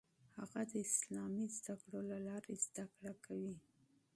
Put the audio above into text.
هغه د اسلامي زده کړو له لارې زده کړه کوي.